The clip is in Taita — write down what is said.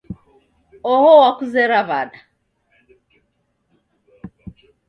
Oho wakuzera w'ada?